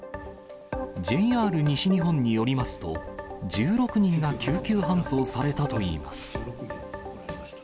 ＪＲ西日本によりますと、１６人が救急搬送されたといいます。